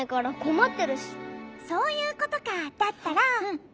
そういうことかだったら。